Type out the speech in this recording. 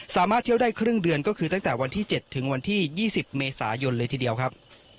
สามารถเที่ยวได้ครึ่งเดือนก็คือตั้งแต่วันที่๗ถึงวันที่๒๐เมษายนเลยทีเดียวครับ